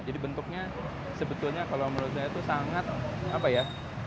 jadi bentuknya sebetulnya kalau menurut saya itu sangat apa ya